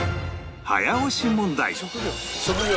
早押し問題職業？